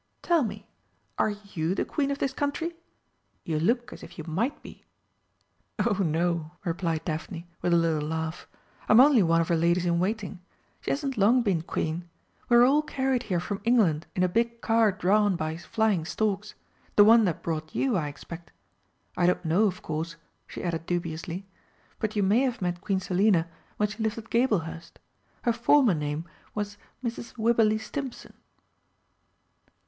"Tell me are you the Queen of this country? You look as if you might be." "Oh no," replied Daphne, with a little laugh. "I'm only one of her ladies in waiting. She hasn't long been Queen. We were all carried here from England in a big car drawn by flying storks the one that brought you, I expect. I don't know, of course," she added dubiously, "but you may have met Queen Selina when she lived at Gablehurst her former name was Mrs. Wibberley Stimpson."